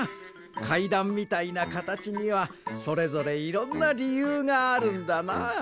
かいだんみたいなかたちにはそれぞれいろんなりゆうがあるんだな。